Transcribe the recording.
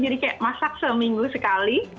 jadi kayak masak seminggu sekali